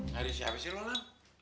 ngari siapa sih lu ma